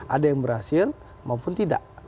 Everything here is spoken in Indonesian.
ada yang berhasil maupun tidak